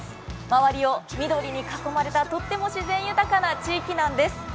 周りを緑に囲まれた、とっても自然豊かな地域なんです。